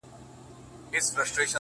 تا په درد كاتــــه اشــــنــــا؛